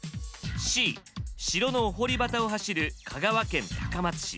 Ｃ城のお堀端を走る香川県・高松市。